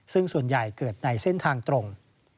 ซึ่งส่วนใหญ่เกิดในเส้นทางตรง